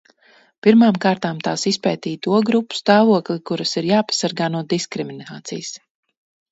Pirmām kārtām tās izpētīja to grupu stāvokli, kuras ir jāpasargā no diskriminācijas.